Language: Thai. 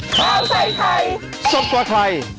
โปรดติดตามตอนต่อไป